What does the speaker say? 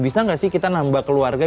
bisa nggak sih kita nambah keluarga